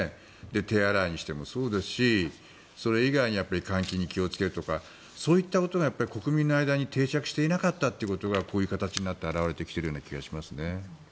手洗いにしてもそうですしそれ以外にも換気に気をつけるとかそういったことが国民の間に定着していなかったということがこういう形になって表れてきているような気がしますね。